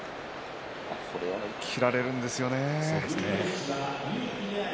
これを切られるんですよね。